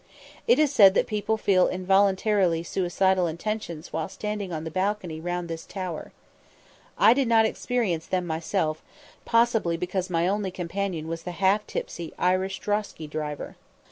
It is said that people feel involuntary suicidal intentions while standing on the balcony round this tower. I did not experience them myself, possibly because my only companion was the half tipsy Irish drosky driver.